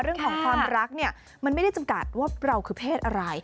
เรื่องของความรักเนี่ยมันไม่ได้จำกัดว่าเราคือเพศอะไร